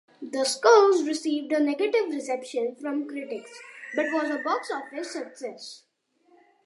"The Skulls" received a negative reception from critics but was a box-office success.